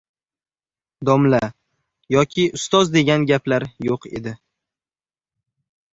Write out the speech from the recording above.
“Domla” yoki “ustoz” degan gaplar yo‘q edi.